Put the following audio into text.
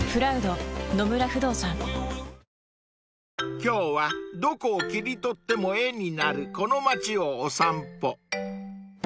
［今日はどこを切り取っても絵になるこの町をお散歩］